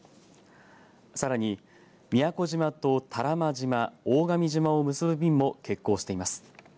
さらに宮古島と多良間島大神島を結ぶ便も欠航しています。